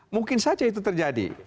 mungkin saja itu terjadi